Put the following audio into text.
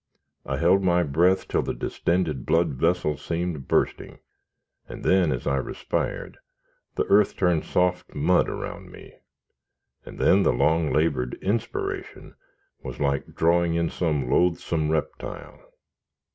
I held my breath till the distended blood vessels seemed bursting, and then as I respired, the earth turned to soft mud around me; and then the long labored inspiration was like drawing in some loathsome reptile.